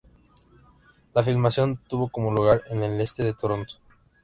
La filmación tomó lugar en el este de Toronto.